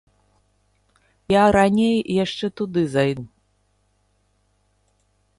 Я раней яшчэ туды зайду.